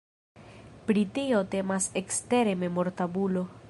Pri tio temas ekstere memortabulo.